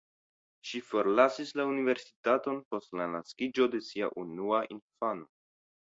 Ŝi forlasis la universitaton post la naskiĝo de sia unua infano.